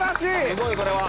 すごいこれは！